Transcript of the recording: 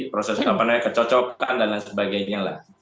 proses apa namanya kecocokan dan lain sebagainya lah